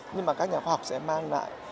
nhưng mà các nhà khoa học sẽ mang lại